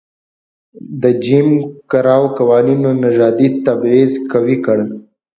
د جېم کراو قوانینو نژادي تبعیض قوي کړ.